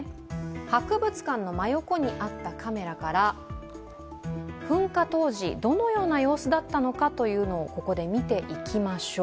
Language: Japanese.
博物館の真横にあったカメラから噴火当時、どのような様子だったのかというのをここで見ていきましょう。